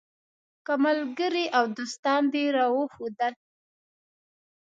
که ملګري او دوستان دې راوښودل.